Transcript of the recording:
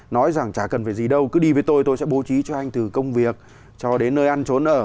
nói rằng chả cần phải gì đâu cứ đi với tôi tôi sẽ bố trí cho anh từ công việc cho đến nơi ăn trốn ở